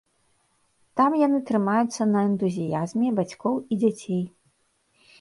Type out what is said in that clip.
Там яны трымаюцца на энтузіязме бацькоў і дзяцей.